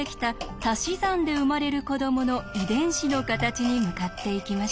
たし算で生まれる子どもの遺伝子の形に向かっていきました。